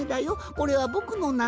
これはぼくのなのだ」。